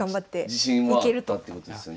自信はあったってことですよね？